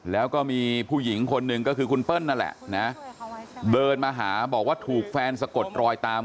แล้วก็มีผู้หญิงคนหนึ่งก็คือคุณเปิ้ลนั่นแหละนะเดินมาหาบอกว่าถูกแฟนสะกดรอยตาม